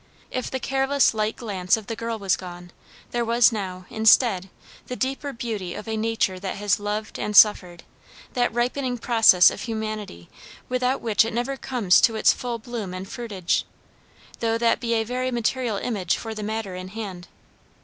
If the careless light glance of the girl was gone, there was now, instead, the deeper beauty of a nature that has loved and suffered; that ripening process of humanity, without which it never comes to its full bloom and fruitage; though that be a very material image for the matter in hand.